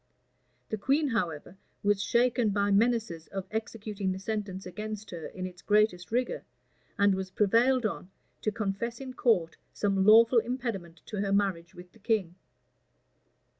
[*] The queen, however, was shaken by menaces of executing the sentence against her in its greatest rigor, and was prevailed on to confess in court some lawful impediment to her marriage with the king.